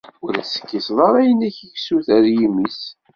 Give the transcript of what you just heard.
Ur as-tekkiseḍ ara ayen i k-issuter yimi-s.